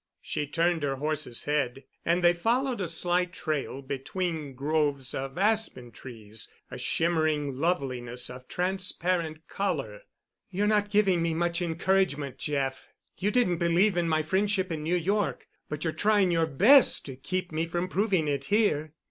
She turned her horse's head, and they followed a slight trail between groves of aspen trees, a shimmering loveliness of transparent color. "You're not giving me much encouragement, Jeff. You didn't believe in my friendship in New York, but you're trying your best to keep me from proving it here."